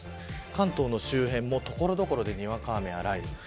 関東周辺も所々でにわか雨や雷雨。